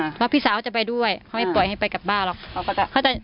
พี่สาวเขาจะไปด้วยเขาไม่ปล่อยให้ไปกับบ้าหรอก